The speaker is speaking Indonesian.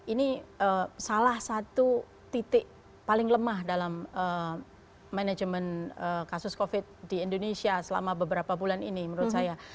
ini salah satu titik paling lemah dalam manajemen kasus covid di indonesia selama beberapa bulan ini menurut saya